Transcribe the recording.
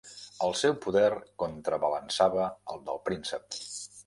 El seu poder contrabalançava el del príncep.